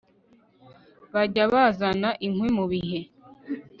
bajye bazana inkwi mu bihe